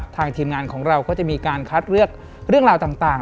ทีมงานของเราก็จะมีการคัดเลือกเรื่องราวต่าง